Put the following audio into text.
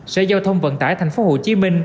sở giao thông vận tải tp hcm